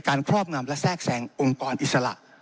ครอบงำและแทรกแสงองค์กรอิสระ